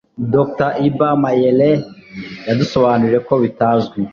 Dr Iba Mayele yadusobanuriye ko bitazwi